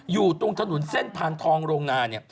อยู่ตรงถนนเส้นพานทองโรงนา